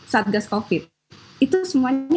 saat gas covid itu semuanya